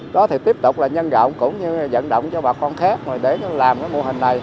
đó thì tiếp tục là nhân gạo cũng như dẫn động cho bà con khác để làm mô hình này